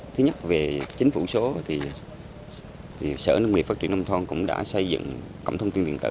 thứ nhất về chính phủ số sở nông nghiệp phát triển nông thôn cũng đã xây dựng cộng thông tiên viện tử của sở